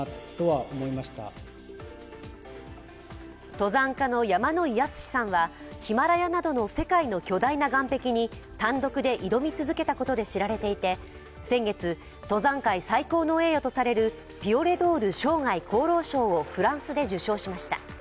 登山家の山野井泰史さんはヒマラヤなどの世界の巨大な岸壁に単独で挑み続けたことで知られていて先月、登山界最高の栄誉とされるピオレ・ドール賞生涯功労賞をフランスで受賞しました。